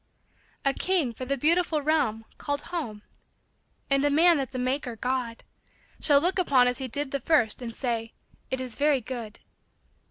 A king for a beautiful realm called home, And a man that the maker, God, Shall look upon as he did the first And say, " It is very good."